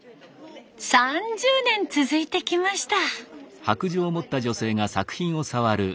３０年続いてきました。